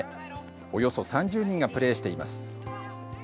およそ３０人がプレーしています。